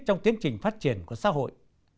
trong các tiến trình phát triển của xã hội